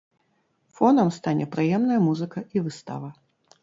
Фонам стане прыемная музыка і выстава.